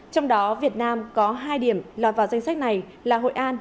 trong đó việt nam có hai điểm lọt vào danh sách này là hội an